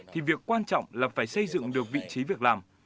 thì việc quan trọng là phải xây dựng được vị trí việc làm